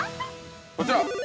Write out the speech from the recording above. ◆こちら。